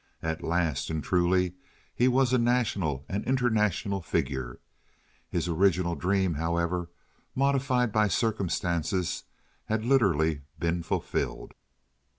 At last, and truly, he was a national and international figure. His original dream, however, modified by circumstances, had literally been fulfilled.